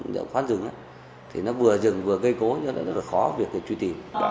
đều được xác minh để tìm ra mối liên hệ với khu vực rừng tam bố